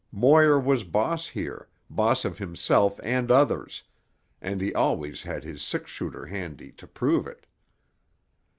Moir was boss here, boss of himself and others, and he always had his six shooter handy to prove it.